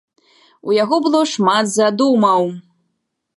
У яго было шмат задумаў.